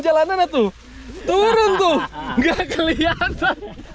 jalanannya tuh turun tuh gak kelihatan